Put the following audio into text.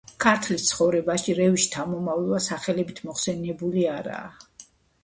ქართლის ცხოვრებაში რევის შთამომავლობა სახელებით მოხსენიებული არაა.